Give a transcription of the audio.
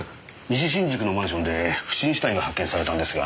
西新宿のマンションで不審死体が発見されたんですが